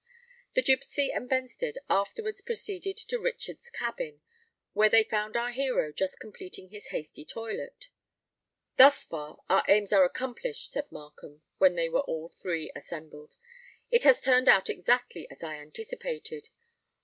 The gipsy and Benstead afterwards proceeded to Richard's cabin, where they found our hero just completing his hasty toilet. "Thus far our aims are accomplished," said Markham, when they were all three assembled. "It has turned out exactly as I anticipated.